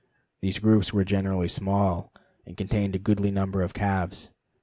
These groups were generally small, and each contained a goodly number of calves.